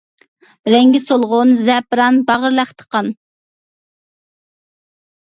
رەڭگى سولغۇن، زەپىران، باغرى لەختە قان.